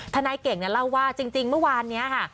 ทนายเก่งเนี่ยเล่าว่าจริงเมื่อวานเนี่ยค่ะ